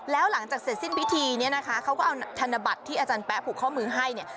แล้วหลังจากเสร็จสิ้นพิธีเนี่ยนะคะเขาก็เอาธนบัตรที่อาจารย์แป๊ะผูกข้อมือให้เนี่ย